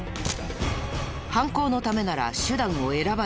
犯行のためなら手段を選ばない。